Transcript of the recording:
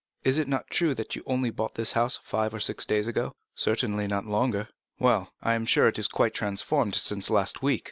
Is it not true that you only bought this house five or six days ago?" "Certainly not longer." "Well, I am sure it is quite transformed since last week.